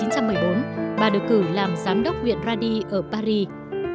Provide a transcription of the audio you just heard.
năm một nghìn chín trăm một mươi bốn bà được cử làm giám đốc viện radix ở paris